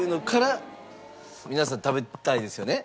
皆さん食べたいですよね？